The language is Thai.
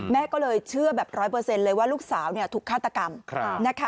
แม่ก็เลยเชื่อแบบ๑๐๐เลยว่าลูกสาวถูกฆาตกรรมนะคะ